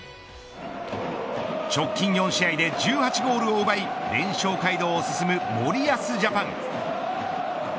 直近４試合で１８ゴールを奪い連勝街道を進む森保ジャパン。